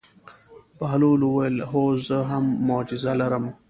بهلول وویل: هو زه هم معجزه لرم.